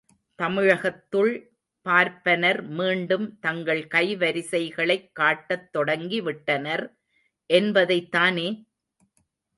தமிழகத்துள் பார்ப்பனர் மீண்டும் தங்கள் கைவரிசைகளைக் காட்டத் தொடங்கிவிட்டனர் என்பதைத் தானே?